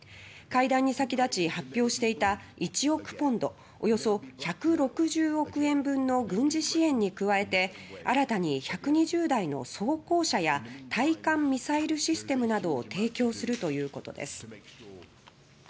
会談に先立ち発表していた１億ポンド＝およそ１６０億円分の軍事支援に加えて新たに１２０台の装甲車や対艦ミサイルシステムなどを提供するということです。